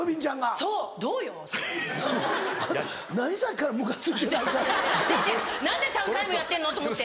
違う違う何で３回もやってんの？と思って。